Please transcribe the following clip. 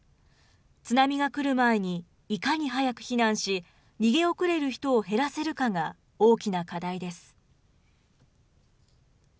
津波が来る前にいかに早く避難し、逃げ遅れる人を減らせるかが大きな課題です。